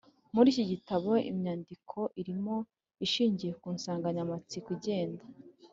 Muri iki gitabo, imyandiko irimo ishingiye ku nsanganyamatsiko igenda